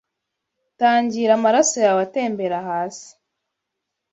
Tangira amaraso yawe atemba hasi